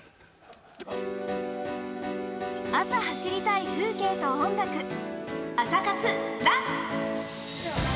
朝走りたい風景と音楽、「朝活ＲＵＮ」。